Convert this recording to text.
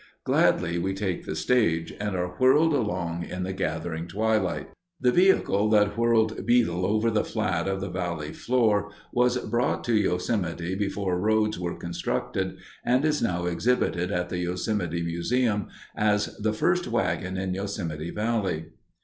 Gladly we take the stage, and are whirled along in the gathering twilight. The vehicle that whirled Beadle over the flat of the valley floor was brought to Yosemite before roads were constructed and is now exhibited at the Yosemite Museum as "the first wagon in Yosemite Valley."